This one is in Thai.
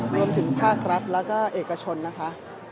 รวมถึงภาครัฐแล้วก็เอกชนนะคะ